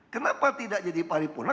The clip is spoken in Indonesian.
kenapa tidak jadi paripurna